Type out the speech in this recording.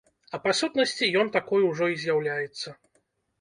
А па сутнасці, ён такой ужо і з'яўляецца.